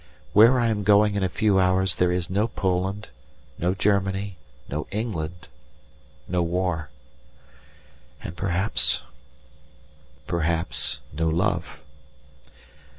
Where I am going in a few hours there is no Poland, no Germany, no England, no war. And perhaps, perhaps, no love.